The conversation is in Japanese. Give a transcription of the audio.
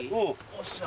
おっしゃ。